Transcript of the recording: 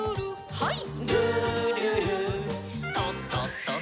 はい。